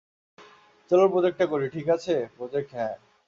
চল প্রজেক্টটা করি -ঠিক আছে, প্রজেক্ট হ্যাঁ।